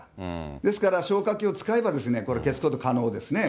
ですから消火器を使えばこれ、消すこと可能ですね。